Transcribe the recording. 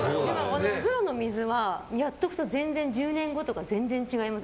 お風呂の水は、やっておくと１０年後とか全然、違います。